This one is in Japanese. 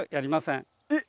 えっ？